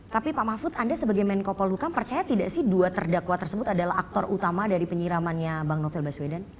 tapi pak mahfud anda sebagai menko polhukam percaya tidak sih dua terdakwa tersebut adalah aktor utama dari penyiramannya bang novel baswedan